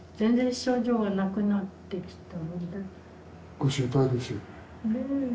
ご心配ですよね。